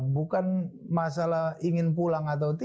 bukan masalah ingin pulang